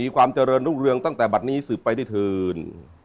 การเจริญลูกเรืองตั้งแต่บัดนี้สืบไปได้ทืน